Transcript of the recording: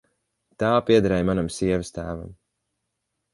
Tā piederēja manam sievastēvam.